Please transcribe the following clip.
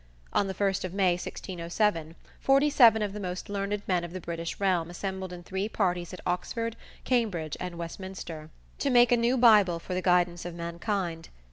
On the first of May, 1607, forty seven of the most learned men of the British realm assembled in three parties at Oxford, Cambridge and Westminster to make a new Bible for the guidance of mankind.